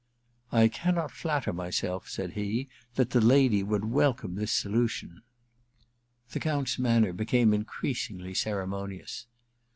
* I cannot flatter myself,' said he, * that the lady would welcome this solution.' The Count's manner became increasingly ceremonious.